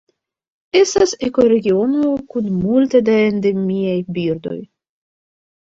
Estas ekoregiono kun multe da endemiaj birdoj.